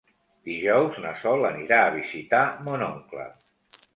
Dijous na Sol anirà a visitar mon oncle.